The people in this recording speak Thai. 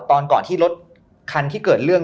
ก่อนที่รถคันที่เกิดเรื่อง